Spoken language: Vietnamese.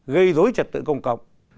gây dối trật tự công cộng